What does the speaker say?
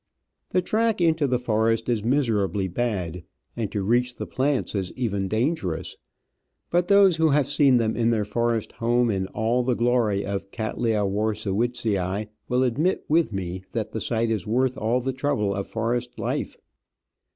The track into the forest is miserably bad, and to reach the plants is even dangerous ; but those who have seen them in their forest home in all the glory of Cattleya Warscewiczii will admit with me that the sight is worth all the trouble of forest life.